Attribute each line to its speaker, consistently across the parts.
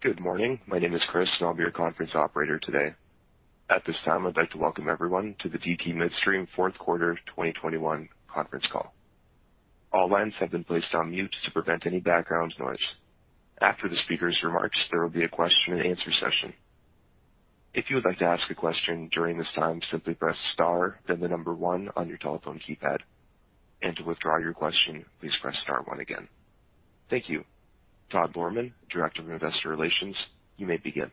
Speaker 1: Good morning. My name is Chris, and I'll be your conference operator today. At this time, I'd like to welcome everyone to the DT Midstream Fourth Quarter 2021 Conference Call. All lines have been placed on mute to prevent any background noise. After the speaker's remarks, there will be a question-and-answer session. If you would like to ask a question during this time, simply press star, then the number one on your telephone keypad. To withdraw your question, please press star one again. Thank you. Todd Lohrmann, Director of Investor Relations, you may begin.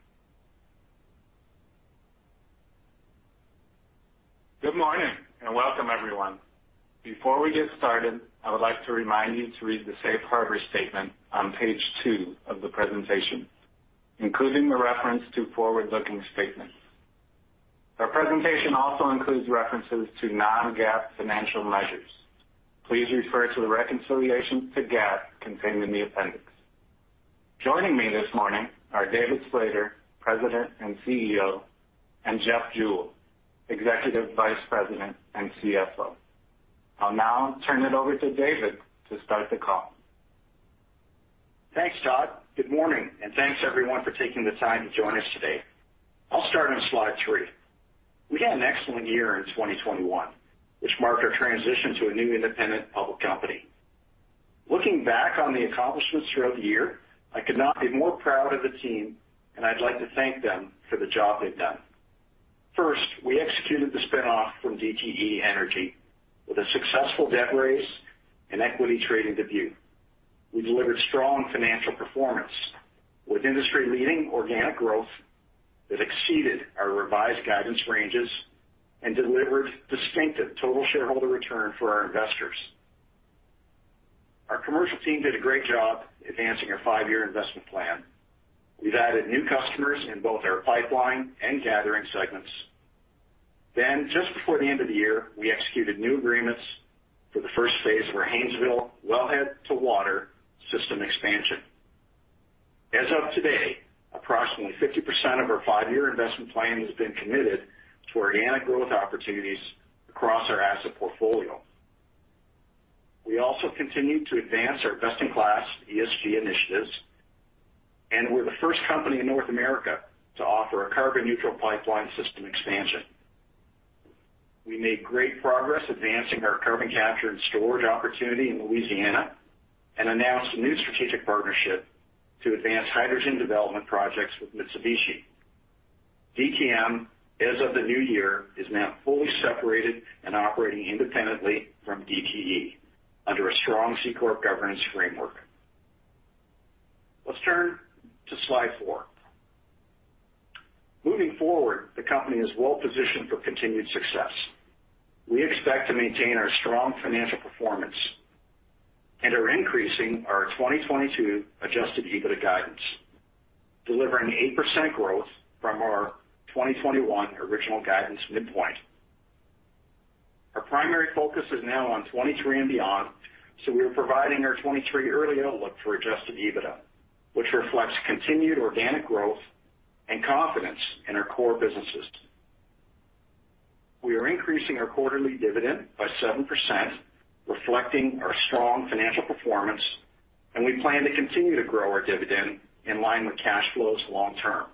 Speaker 2: Good morning and welcome, everyone. Before we get started, I would like to remind you to read the safe harbor statement on page two of the presentation, including the reference to forward-looking statements. Our presentation also includes references to non-GAAP financial measures. Please refer to the reconciliation to GAAP contained in the appendix. Joining me this morning are David Slater, President and Chief Executive Officer, and Jeffrey Jewell, Executive Vice President and Chief Financial Officer. I'll now turn it over to David to start the call.
Speaker 3: Thanks, Todd. Good morning, and thanks, everyone, for taking the time to join us today. I'll start on slide three. We had an excellent year in 2021, which marked our transition to a new independent public company. Looking back on the accomplishments throughout the year, I could not be more proud of the team, and I'd like to thank them for the job they've done. First, we executed the spin-off from DTE Energy with a successful debt raise and equity trading debut. We delivered strong financial performance with industry-leading organic growth that exceeded our revised guidance ranges and delivered distinctive total shareholder return for our investors. Our commercial team did a great job advancing our five-year investment plan. We've added new customers in both our pipeline and gathering segments. Just before the end of the year, we executed new agreements for the first phase of our Haynesville wellhead to water system expansion. As of today, approximately 50% of our five year investment plan has been committed to organic growth opportunities across our asset portfolio. We also continued to advance our best-in-class ESG initiatives, and we're the first company in North America to offer a carbon neutral pipeline system expansion. We made great progress advancing our carbon capture and storage opportunity in Louisiana and announced a new strategic partnership to advance hydrogen development projects with Mitsubishi. DTM, as of the new year, is now fully separated and operating independently from DTE under a strong C-corp governance framework. Let's turn to slide four. Moving forward, the company is well-positioned for continued success. We expect to maintain our strong financial performance and are increasing our 2022 adjusted EBITDA guidance, delivering 8% growth from our 2021 original guidance midpoint. Our primary focus is now on 2023 and beyond, so we are providing our 2023 early outlook for adjusted EBITDA, which reflects continued organic growth and confidence in our core businesses. We are increasing our quarterly dividend by 7%, reflecting our strong financial performance, and we plan to continue to grow our dividend in line with cash flows long term.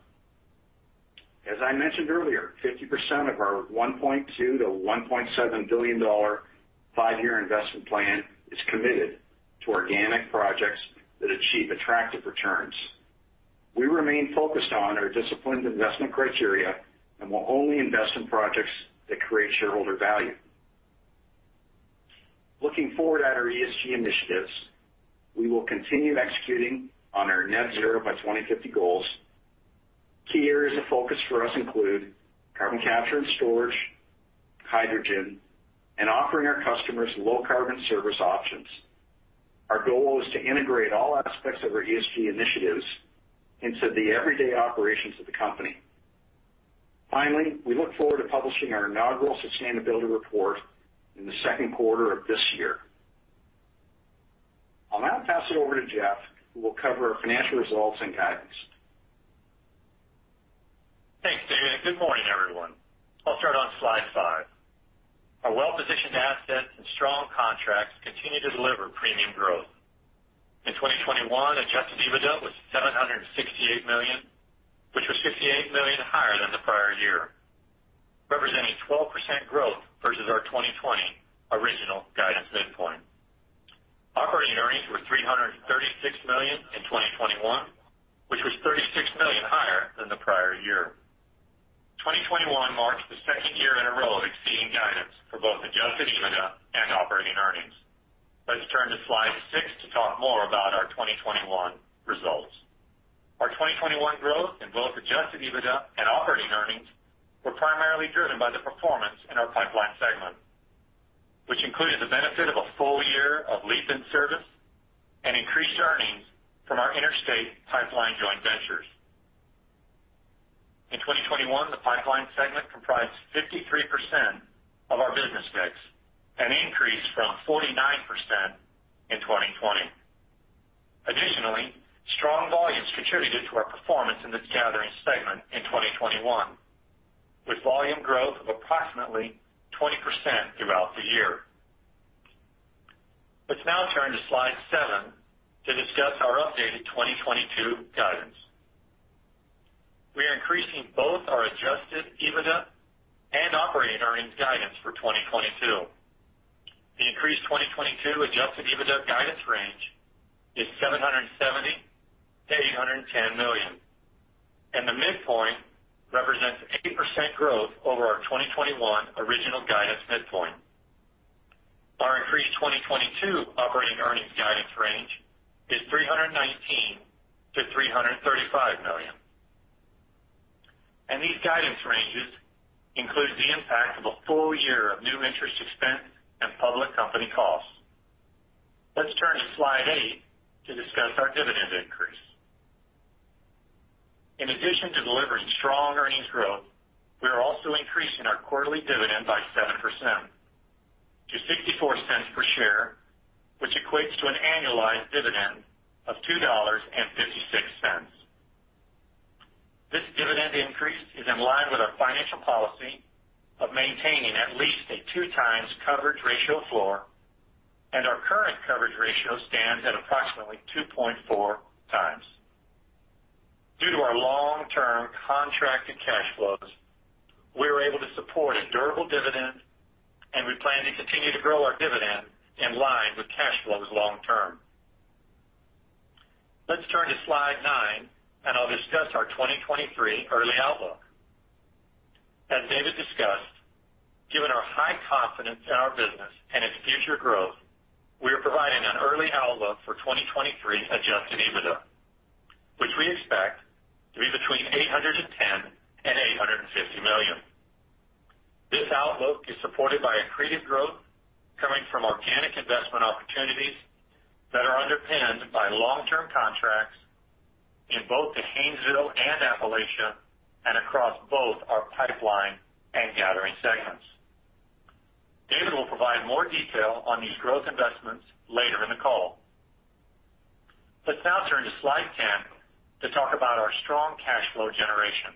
Speaker 3: As I mentioned earlier, 50% of our $1.2 billion-$1.7 billion five year investment plan is committed to organic projects that achieve attractive returns. We remain focused on our disciplined investment criteria and will only invest in projects that create shareholder value. Looking forward at our ESG initiatives, we will continue executing on our net zero by 2050 goals. Key areas of focus for us include carbon capture and storage, hydrogen, and offering our customers low carbon service options. Our goal is to integrate all aspects of our ESG initiatives into the everyday operations of the company. Finally, we look forward to publishing our inaugural sustainability report in the second quarter of this year. I'll now pass it over to Jeffrey, who will cover our financial results and guidance.
Speaker 4: Thanks, David. Good morning, everyone. I'll start on slide five. Our well-positioned assets and strong contracts continue to deliver premium growth. In 2021, adjusted EBITDA was $768 million, which was $68 million higher than the prior year, representing 12% growth versus our 2020 original guidance midpoint. Operating earnings were $336 million in 2021, which was $36 million higher than the prior year. 2021 marks the second year in a row of exceeding guidance for both adjusted EBITDA and operating earnings. Let's turn to slide six to talk more about our 2021 results. Our 2021 growth in both adjusted EBITDA and operating earnings were primarily driven by the performance in our pipeline segment, which included the benefit of a full year of LEAP in service and increased earnings from our interstate pipeline joint ventures. In 2021, the pipeline segment comprised 53% of our business mix, an increase from 49% in 2020. Additionally, strong volumes contributed to our performance in this gathering segment in 2021, with volume growth of approximately 20% throughout the year. Let's now turn to slide seven to discuss our updated 2022 guidance. We are increasing both our adjusted EBITDA and operating earnings guidance for 2022. The increased 2022 adjusted EBITDA guidance range is $770 million-$810 million, and the midpoint represents 80% growth over our 2021 original guidance midpoint. Our increased 2022 operating earnings guidance range is $319 million-$335 million. These guidance ranges include the impact of a full year of new interest expense and public company costs. Let's turn to slide eight to discuss our dividend increase. In addition to delivering strong earnings growth, we are also increasing our quarterly dividend by 7% to $0.64 per share, which equates to an annualized dividend of $2.56. This dividend increase is in line with our financial policy of maintaining at least a 2x coverage ratio floor, and our current coverage ratio stands at approximately 2.4x. Due to our long-term contracted cash flows, we are able to support a durable dividend, and we plan to continue to grow our dividend in line with cash flows long term. Let's turn to slide nine, and I'll discuss our 2023 early outlook. As David discussed, given our high confidence in our business and its future growth, we are providing an early outlook for 2023 adjusted EBITDA, which we expect to be between $810 million and $850 million. This outlook is supported by accretive growth coming from organic investment opportunities that are underpinned by long-term contracts in both the Haynesville and Appalachia and across both our pipeline and gathering segments. David will provide more detail on these growth investments later in the call. Let's now turn to slide 10 to talk about our strong cash flow generation.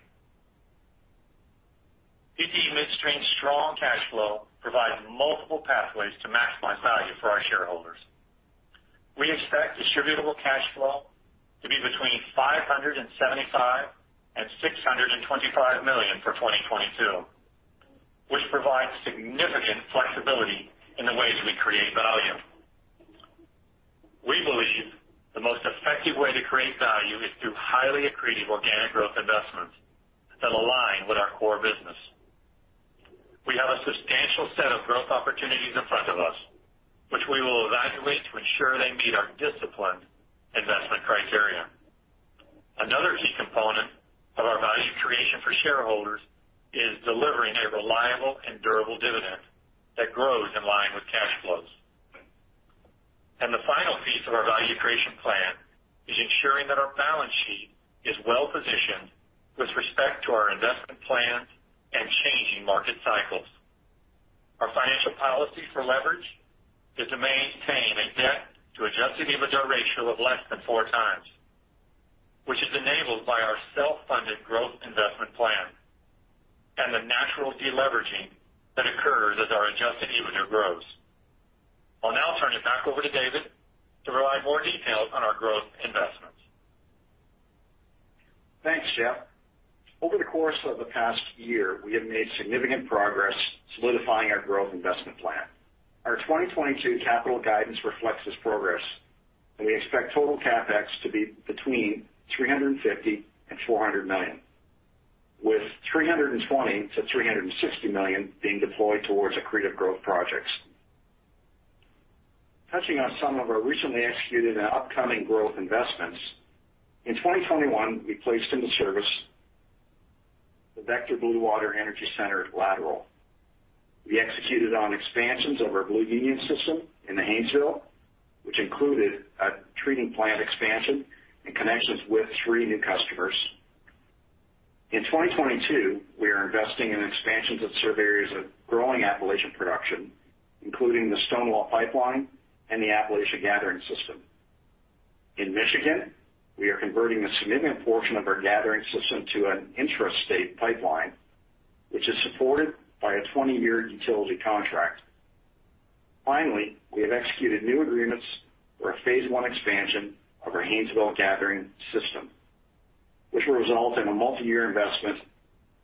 Speaker 4: DT Midstream's strong cash flow provides multiple pathways to maximize value for our shareholders. We expect distributable cash flow to be between $575 million and $625 million for 2022, which provides significant flexibility in the ways we create value. We believe the most effective way to create value is through highly accretive organic growth investments that align with our core business. We have a substantial set of growth opportunities in front of us, which we will evaluate to ensure they meet our disciplined investment criteria. Another key component of our value creation for shareholders is delivering a reliable and durable dividend that grows in line with cash flows. The final piece of our value creation plan is ensuring that our balance sheet is well positioned with respect to our investment plans and changing market cycles. Our financial policy for leverage is to maintain a debt to adjusted EBITDA ratio of less than four times, which is enabled by our self-funded growth investment plan and the natural deleveraging that occurs as our adjusted EBITDA grows. I'll now turn it back over to David to provide more details on our growth investments.
Speaker 3: Thanks, Jeffrey. Over the course of the past year, we have made significant progress solidifying our growth investment plan. Our 2022 capital guidance reflects this progress, and we expect total CapEx to be between $350 million and $400 million, with $320 million-$360 million being deployed towards accretive growth projects. Touching on some of our recently executed and upcoming growth investments, in 2021, we placed into service the Vector Blue Water Energy Center Lateral. We executed on expansions of our Blue Union system in the Haynesville, which included a treating plant expansion and connections with three new customers. In 2022, we are investing in expansions that serve areas of growing Appalachian production, including the Stonewall Pipeline and the Appalachia Gathering System. In Michigan, we are converting a significant portion of our gathering system to an intrastate pipeline, which is supported by a 20-year utility contract. Finally, we have executed new agreements for a phase I expansion of our Haynesville Gathering System, which will result in a multiyear investment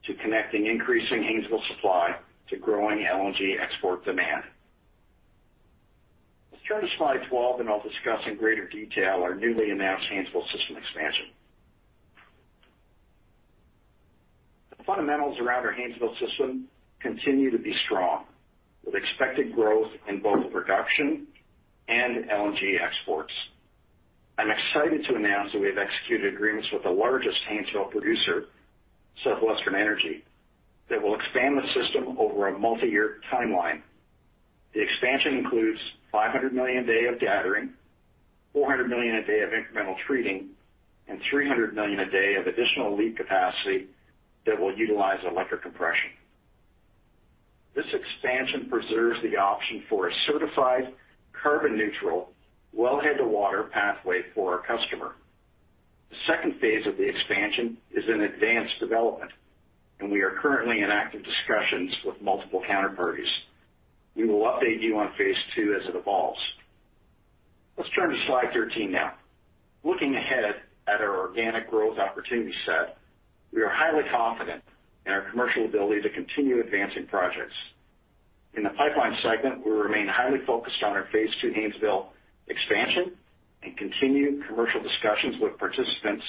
Speaker 3: to connect increasing Haynesville supply to growing LNG export demand. Let's turn to slide 12, and I'll discuss in greater detail our newly announced Blue Union system expansion. The fundamentals around our Blue Union system continue to be strong, with expected growth in both production and LNG exports. I'm excited to announce that we have executed agreements with the largest Haynesville producer, Southwestern Energy, that will expand the system over a multiyear timeline. The expansion includes 500 million a day of gathering, 400 million a day of incremental treating, and 300 million a day of additional lead capacity that will utilize electric compression. This expansion preserves the option for a certified carbon neutral wellhead-to-water pathway for our customer. The second phase of the expansion is in advanced development, and we are currently in active discussions with multiple counterparties. We will update you on phase II as it evolves. Let's turn to slide 13 now. Looking ahead at our organic growth opportunity set, we are highly confident in our commercial ability to continue advancing projects. In the pipeline segment, we remain highly focused on our phase II Haynesville expansion and continued commercial discussions with participants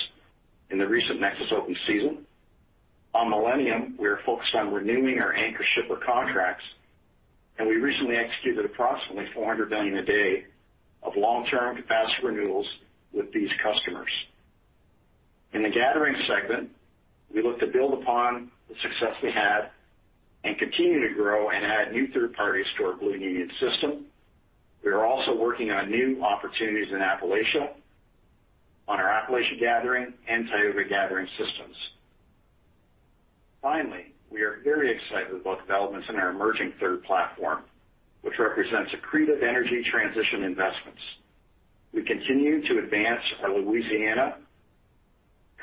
Speaker 3: in the recent Nexus open season. On Millennium, we are focused on renewing our anchor shipper contracts, and we recently executed approximately 400 million a day of long-term capacity renewals with these customers. In the gathering segment, we look to build upon the success we had and continue to grow and add new third parties to our Blue Union system. We are also working on new opportunities in Appalachia on our Appalachia Gathering and Tioga Gathering systems. Finally, we are very excited about developments in our emerging third platform, which represents accretive energy transition investments. We continue to advance our Louisiana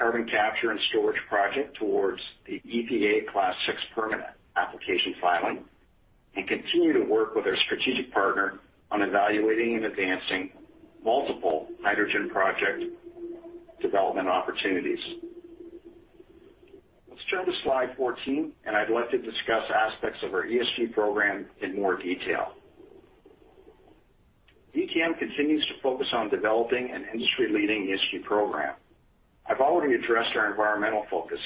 Speaker 3: carbon capture and storage project towards the EPA Class VI permit application filing and continue to work with our strategic partner on evaluating and advancing multiple hydrogen project development opportunities. Let's turn to slide 14, and I'd like to discuss aspects of our ESG program in more detail. DTM continues to focus on developing an industry-leading ESG program. I've already addressed our environmental focus,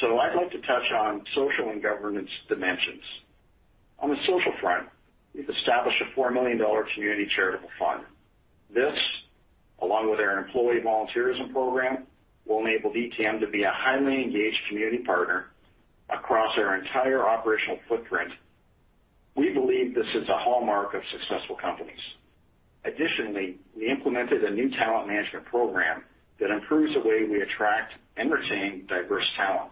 Speaker 3: so I'd like to touch on social and governance dimensions. On the social front, we've established a $4 million community charitable fund. This, along with our employee volunteerism program, will enable DTM to be a highly engaged community partner across our entire operational footprint. We believe this is a hallmark of successful companies. Additionally, we implemented a new talent management program that improves the way we attract and retain diverse talent,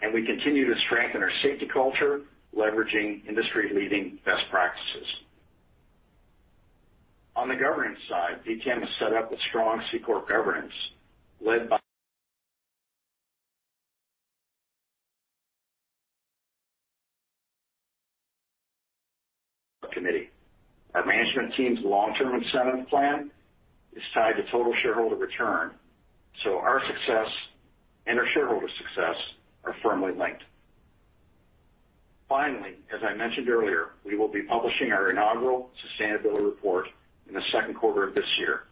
Speaker 3: and we continue to strengthen our safety culture, leveraging industry-leading best practices. On the governance side, DTM is set up with strong C-corp governance led by committee. Our management team's long-term incentive plan is tied to total shareholder return, so our success and our shareholder success are firmly linked. Finally, as I mentioned earlier, we will be publishing our inaugural sustainability report in the second quarter of this year.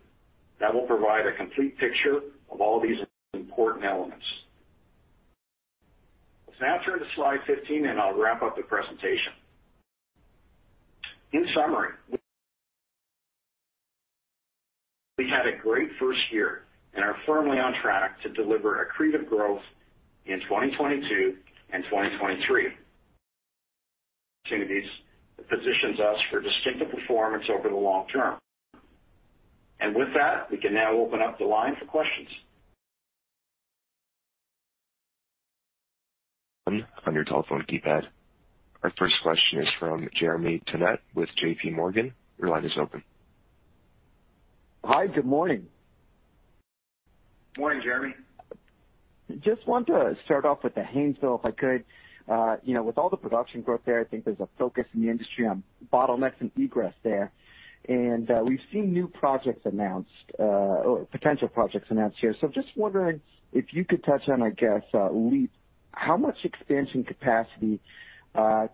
Speaker 3: That will provide a complete picture of all these important elements. Let's now turn to slide 15 and I'll wrap up the presentation. In summary, we had a great first year and are firmly on track to deliver accretive growth in 2022 and 2023. Opportunities that positions us for distinctive performance over the long term. With that, we can now open up the line for questions.
Speaker 1: On your telephone keypad. Our first question is from Jeremy Tonet with J.P. Morgan. Your line is open.
Speaker 5: Hi. Good morning.
Speaker 3: Morning, Jeremy.
Speaker 5: Just want to start off with the Haynesville, if I could. You know, with all the production growth there, I think there's a focus in the industry on bottlenecks and egress there. We've seen new projects announced, or potential projects announced here. Just wondering if you could touch on, I guess, LEAP. How much expansion capacity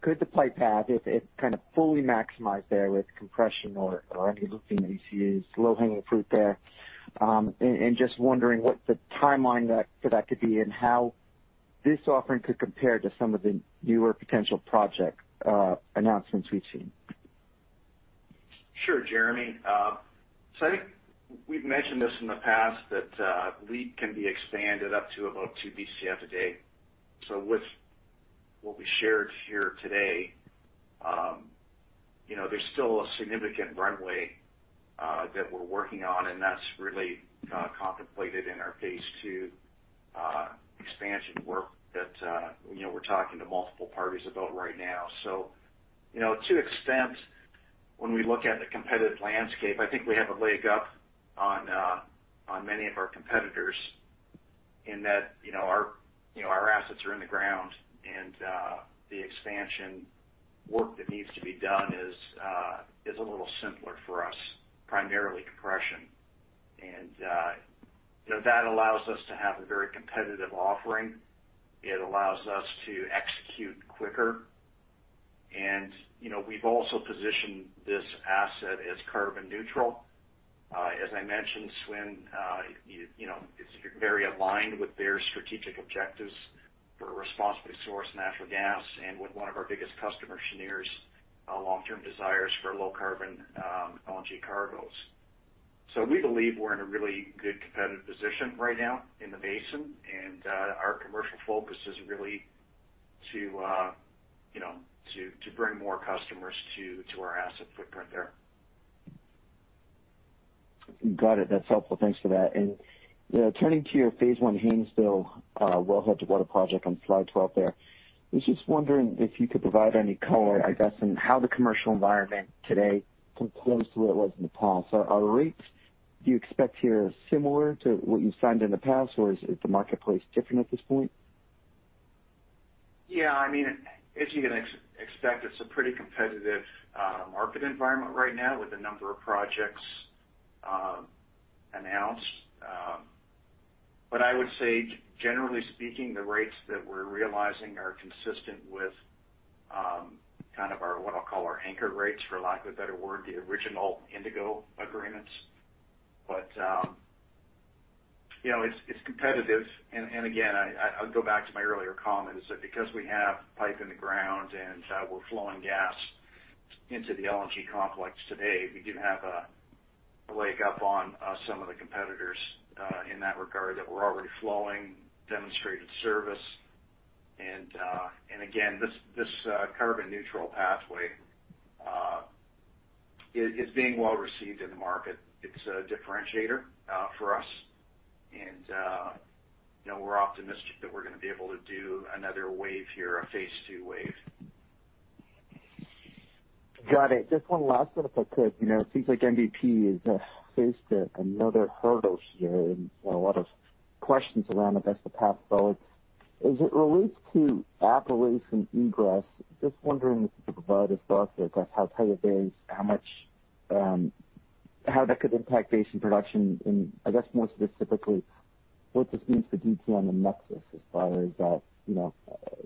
Speaker 5: could the pipe have if kind of fully maximized there with compression or any of the things that you see as low-hanging fruit there? Just wondering what the timeline for that could be and how this offering could compare to some of the newer potential project announcements we've seen.
Speaker 3: Sure, Jeremy. I think we've mentioned this in the past that LEAP can be expanded up to about two Bcf per day. With what we shared here today, you know, there's still a significant runway that we're working on, and that's really contemplated in our phase II expansion work that, you know, we're talking to multiple parties about right now. You know, to the extent when we look at the competitive landscape, I think we have a leg up on many of our competitors in that, you know, our assets are in the ground. The expansion work that needs to be done is a little simpler for us, primarily compression. You know, that allows us to have a very competitive offering. It allows us to execute quicker. You know, we've also positioned this asset as carbon neutral. As I mentioned, SWN you know is very aligned with their strategic objectives for responsibly sourced natural gas and with one of our biggest customers, Cheniere's long-term desires for low carbon LNG cargoes. We believe we're in a really good competitive position right now in the basin. Our commercial focus is really to you know bring more customers to our asset footprint there.
Speaker 5: Got it. That's helpful. Thanks for that. You know, turning to your phase I Haynesville wellhead to water project on slide 12 there. I was just wondering if you could provide any color, I guess, on how the commercial environment today compares to what it was in the past. Are rates you expect here similar to what you've signed in the past, or is the marketplace different at this point?
Speaker 3: Yeah. I mean, as you can expect, it's a pretty competitive market environment right now with a number of projects announced. I would say generally speaking, the rates that we're realizing are consistent with kind of our, what I'll call our anchor rates, for lack of a better word, the original Indigo agreements. You know, it's competitive. Again, I'll go back to my earlier comment is that because we have pipe in the ground and we're flowing gas into the LNG complex today, we do have a leg up on some of the competitors in that regard that we're already flowing demonstrated service. Again, this carbon neutral pathway is being well received in the market. It's a differentiator for us. You know, we're optimistic that we're gonna be able to do another wave here, a phase II wave.
Speaker 5: Got it. Just one last one if I could. You know, it seems like MVP has faced another hurdle here and a lot of questions around it as the path forward. As it relates to Appalachian egress, just wondering if you could provide us thoughts there. That's how tight it is, how much how that could impact basin production, and I guess more specifically, what this means for DTM on the NEXUS as far as, you know,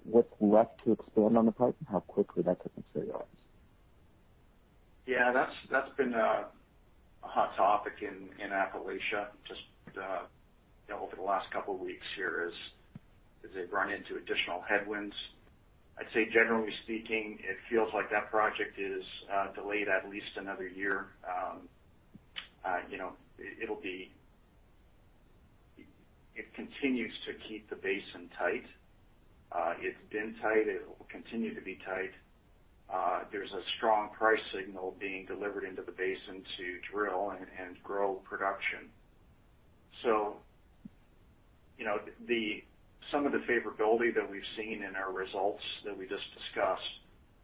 Speaker 5: what's left to expand on the pipe and how quickly that could materialize.
Speaker 3: Yeah, that's been a hot topic in Appalachia just over the last couple weeks here as they've run into additional headwinds. I'd say generally speaking, it feels like that project is delayed at least another year. It continues to keep the basin tight. It's been tight. It will continue to be tight. There's a strong price signal being delivered into the basin to drill and grow production. Some of the favorability that we've seen in our results that we just discussed,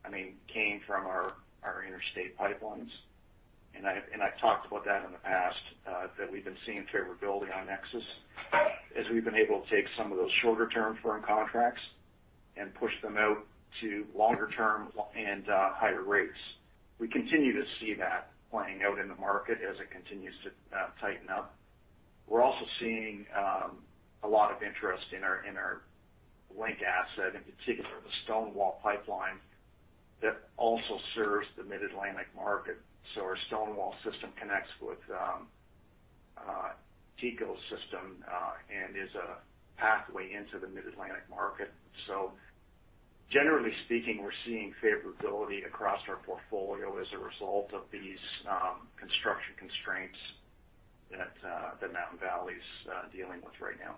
Speaker 3: I mean, came from our interstate pipelines. I've talked about that in the past, that we've been seeing favorability on Nexus as we've been able to take some of those shorter term firm contracts and push them out to longer term and higher rates. We continue to see that playing out in the market as it continues to tighten up. We're also seeing a lot of interest in our Link asset, in particular the Stonewall pipeline that also serves the Mid-Atlantic market. Our Stonewall system connects with TETCO's system and is a pathway into the Mid-Atlantic market. Generally speaking, we're seeing favorability across our portfolio as a result of these construction constraints that Mountain Valley's dealing with right now.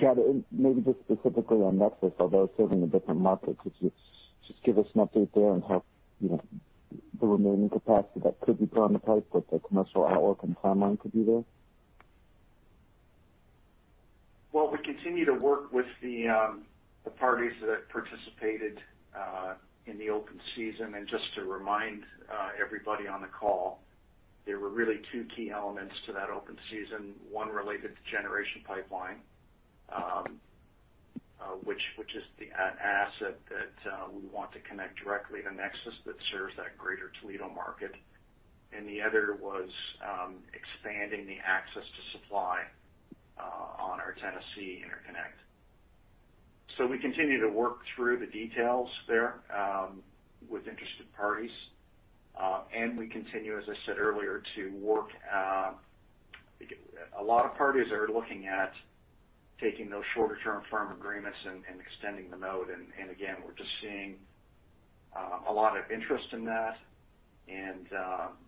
Speaker 5: Got it. Maybe just specifically on NEXUS, although serving a different market. Could you just give us an update there on how, you know, the remaining capacity that could be put on the pipe, what the commercial outlook and timeline could be there?
Speaker 3: Well, we continue to work with the parties that participated in the open season. Just to remind everybody on the call, there were really two key elements to that open season. One related to Generation Pipeline, which is the asset that we want to connect directly to NEXUS that serves that greater Toledo market. The other was expanding the access to supply on our Tennessee interconnect. We continue to work through the details there with interested parties. We continue, as I said earlier, to work. A lot of parties are looking at taking those shorter term firm agreements and extending them out. Again, we're just seeing a lot of interest in that and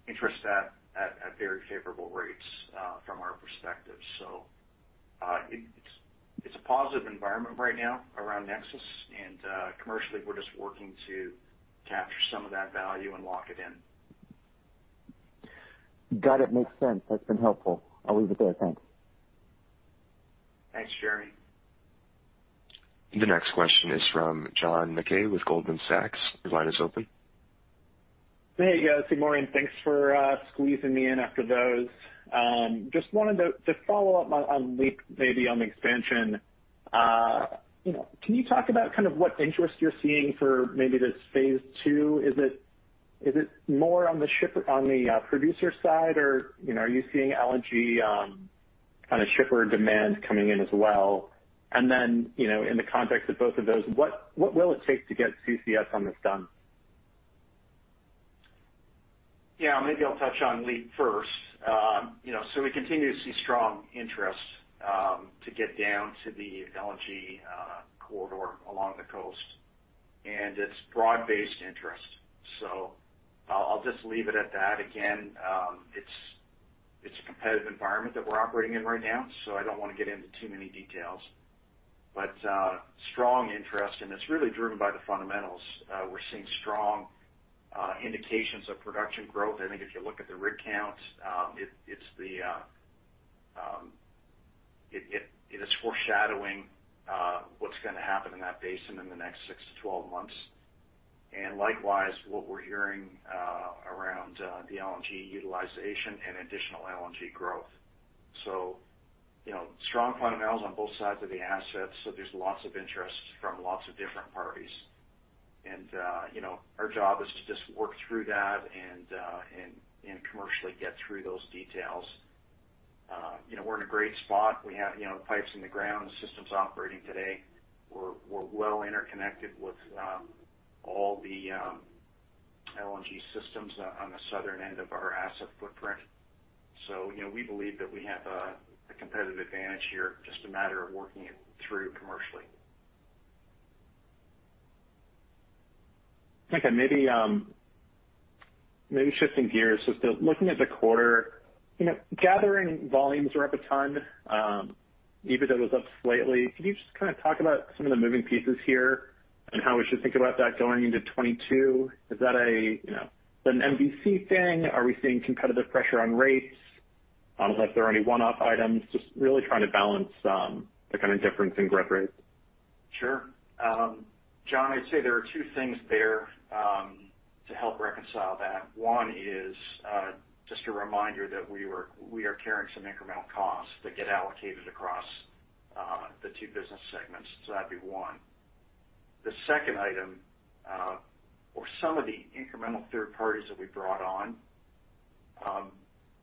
Speaker 3: interest at very favorable rates from our perspective. It's a positive environment right now around Nexus and commercially, we're just working to capture some of that value and lock it in.
Speaker 5: Got it. Makes sense. That's been helpful. I'll leave it there. Thanks.
Speaker 3: Thanks, Jeremy.
Speaker 1: The next question is from John Mackay with Goldman Sachs. Your line is open.
Speaker 6: "Hey, guys. Good morning." Thanks for squeezing me in after those. Just wanted to follow up on LEAP, maybe on expansion. You know, can you talk about kind of what interest you're seeing for maybe this phase II? Is it more on the producer side or, you know, are you seeing LNG kind of shipper demand coming in as well? You know, in the context of both of those, what will it take to get CCS on this done?
Speaker 3: Yeah, maybe I'll touch on LEAP first. You know, we continue to see strong interest to get down to the LNG corridor along the coast, and it's broad-based interest. I'll just leave it at that. Again, it's a competitive environment that we're operating in right now, so I don't wanna get into too many details. Strong interest, and it's really driven by the fundamentals. We're seeing strong indications of production growth. I think if you look at the rig counts, it is foreshadowing what's gonna happen in that basin in the next six-12 months. Likewise, what we're hearing around the LNG utilization and additional LNG growth. You know, strong fundamentals on both sides of the assets. There's lots of interest from lots of different parties. Our job is to just work through that and commercially get through those details. We're in a great spot. We have pipes in the ground, the systems operating today. We're well interconnected with all the LNG systems on the southern end of our asset footprint. We believe that we have a competitive advantage here. Just a matter of working it through commercially.
Speaker 6: Okay, maybe shifting gears just to looking at the quarter. You know, gathering volumes are up a ton. EBITDA was up slightly. Can you just kind of talk about some of the moving pieces here and how we should think about that going into 2022? Is that a, you know, an MVC thing? Are we seeing competitive pressure on rates? Was there any one-off items? Just really trying to balance the kind of difference in growth rates.
Speaker 3: Sure. John, I'd say there are two things there to help reconcile that. One is just a reminder that we are carrying some incremental costs that get allocated across the two business segments. That'd be one. The second item or some of the incremental third parties that we brought on,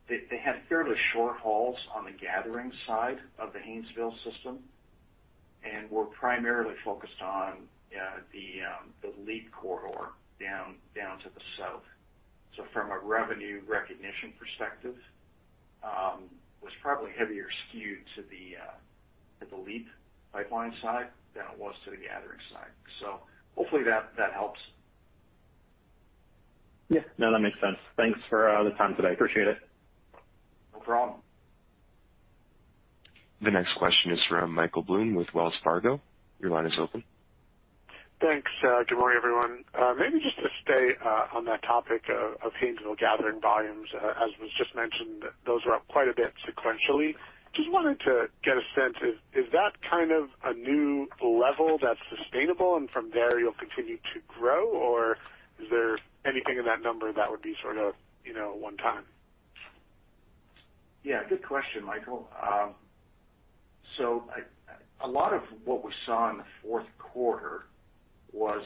Speaker 3: they had fairly short hauls on the gathering side of the Haynesville system, and were primarily focused on the LEAP corridor down to the South. From a revenue recognition perspective, it was probably heavier skewed to the LEAP pipeline side than it was to the gathering side. Hopefully that helps.
Speaker 6: Yeah. No, that makes sense. Thanks for the time today. I appreciate it.
Speaker 3: No problem.
Speaker 1: The next question is from Michael Blum with Wells Fargo. Your line is open.
Speaker 7: Thanks. Good morning, everyone. Maybe just to stay on that topic of Haynesville gathering volumes. As was just mentioned, those are up quite a bit sequentially. Just wanted to get a sense of, is that kind of a new level that's sustainable and from there you'll continue to grow? Or is there anything in that number that would be sort of, you know, one time?
Speaker 3: Yeah, good question, Michael. A lot of what we saw in the fourth quarter was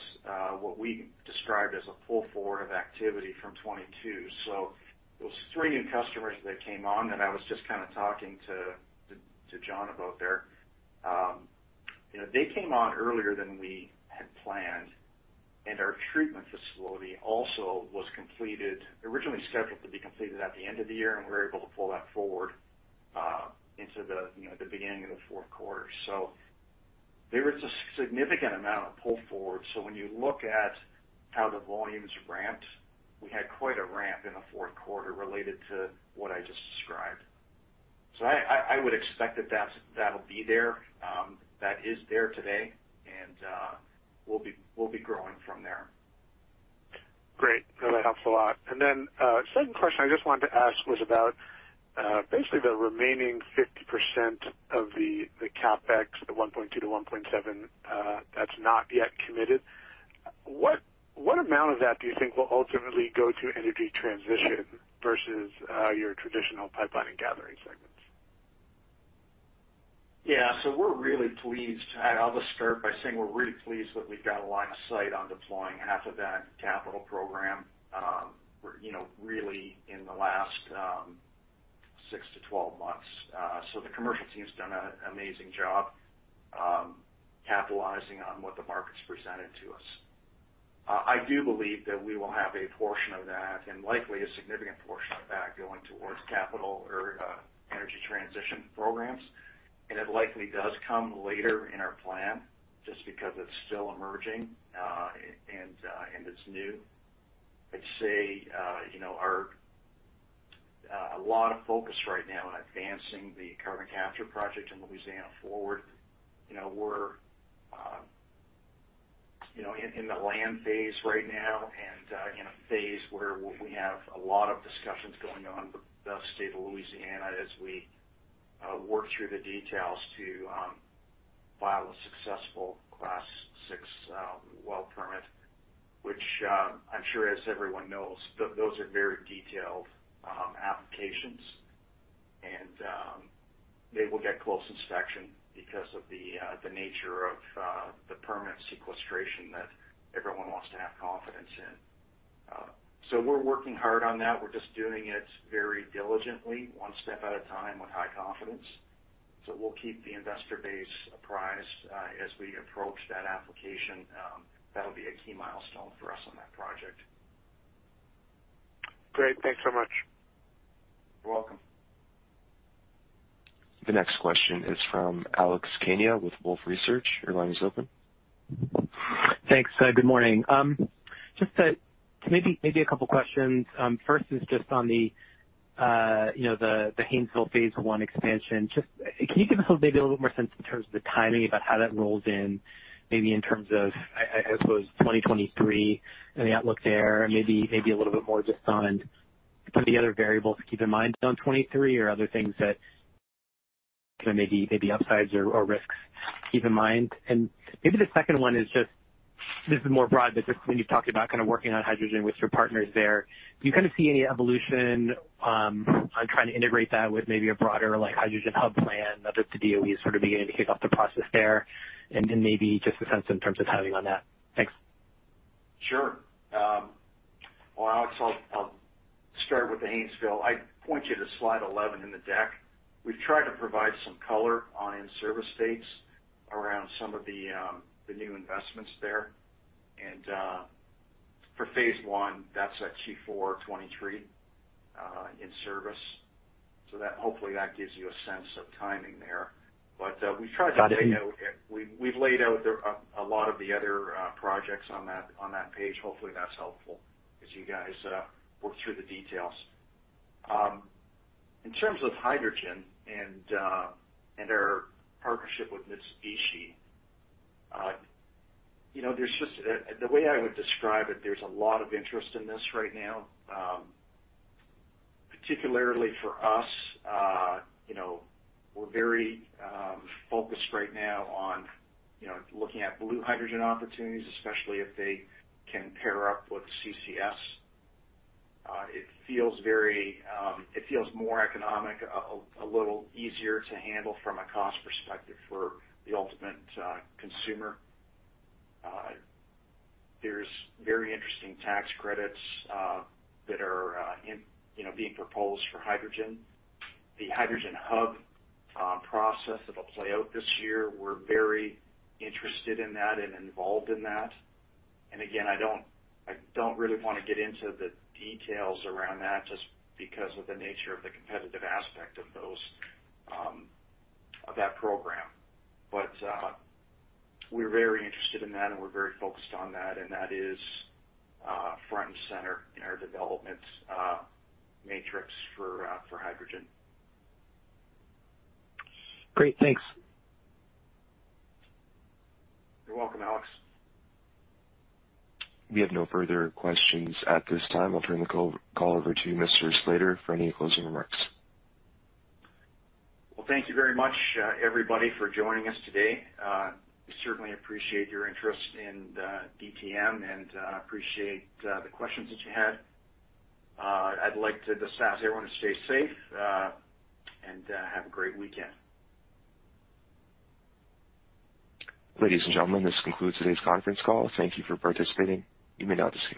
Speaker 3: what we described as a pull forward of activity from 2022. Those three new customers that came on that I was just kind of talking to John about there, you know, they came on earlier than we had planned. Our treatment facility also was completed originally scheduled to be completed at the end of the year, and we were able to pull that forward into the beginning of the fourth quarter. There was a significant amount of pull forward. When you look at how the volumes ramped, we had quite a ramp in the fourth quarter related to what I just described. I would expect that that'll be there. That is there today, and we'll be growing from there.
Speaker 7: Great. No, that helps a lot. Second question I just wanted to ask was about basically the remaining 50% of the CapEx at $1.2-$1.7 that's not yet committed. What amount of that do you think will ultimately go to energy transition versus your traditional pipeline and gathering segments?
Speaker 3: Yeah. We're really pleased. I'll just start by saying we're really pleased that we've got a line of sight on deploying half of that capital program really in the last six-12 months. The commercial team's done an amazing job capitalizing on what the market's presented to us. I do believe that we will have a portion of that and likely a significant portion of that going towards capital or energy transition programs. It likely does come later in our plan just because it's still emerging and it's new. I'd say a lot of focus right now on advancing the carbon capture project in Louisiana forward. You know, we're you know in the land phase right now and in a phase where we have a lot of discussions going on with the State of Louisiana as we work through the details to file a successful Class VI well permit. Which I'm sure as everyone knows, those are very detailed applications. They will get close inspection because of the nature of the permanent sequestration that everyone wants to have confidence in. We're working hard on that. We're just doing it very diligently, one step at a time with high confidence. We'll keep the investor base apprised as we approach that application. That'll be a key milestone for us on that project.
Speaker 7: Great. Thanks so much.
Speaker 3: You're welcome.
Speaker 1: The next question is from Alex Kania with Wolfe Research. Your line is open.
Speaker 8: Thanks. Good morning. Just maybe a couple questions. First is just on the you know the Haynesville phase I expansion. Just can you give us a little maybe a little more sense in terms of the timing about how that rolls in? Maybe in terms of I suppose 2023 and the outlook there, and maybe a little bit more just on any other variables to keep in mind on 2023 or other things, maybe upsides or risks to keep in mind. Maybe the second one is just, this is more broad, but just when you talked about kind of working on hydrogen with your partners there, do you kind of see any evolution on trying to integrate that with maybe a broader like hydrogen hub plan now that the DOE is sort of beginning to kick off the process there? Maybe just a sense in terms of timing on that. Thanks.
Speaker 3: Sure. Well, Alex, I'll start with the Haynesville. I'd point you to slide 11 in the deck. We've tried to provide some color on in-service dates around some of the new investments there. For phase I, that's at Q4 2023 in service. That hopefully gives you a sense of timing there. We try to lay out
Speaker 8: Got it.
Speaker 3: We've laid out a lot of the other projects on that page. Hopefully, that's helpful as you guys work through the details. In terms of hydrogen and our partnership with Mitsubishi, you know, there's just the way I would describe it, there's a lot of interest in this right now. Particularly for us, you know, we're very focused right now on, you know, looking at blue hydrogen opportunities, especially if they can pair up with CCS. It feels more economic, a little easier to handle from a cost perspective for the ultimate consumer. There's very interesting tax credits that are, you know, being proposed for hydrogen. The hydrogen hub process that'll play out this year, we're very interested in that and involved in that. I don't really wanna get into the details around that just because of the nature of the competitive aspect of those of that program. We're very interested in that, and we're very focused on that, and that is front and center in our development matrix for hydrogen.
Speaker 8: Great. Thanks.
Speaker 3: You're welcome, Alex.
Speaker 1: We have no further questions at this time. I'll turn the call over to you, Mr. Slater, for any closing remarks.
Speaker 3: Well, thank you very much, everybody, for joining us today. Certainly appreciate your interest in DTM and appreciate the questions that you had. I'd like to just ask everyone to stay safe and have a great weekend.
Speaker 1: Ladies and gentlemen, this concludes today's conference call. Thank you for participating. You may now disconnect.